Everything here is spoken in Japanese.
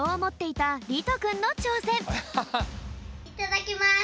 いただきます！